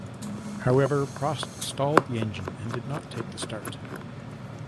However Prost stalled the engine and did not take the start.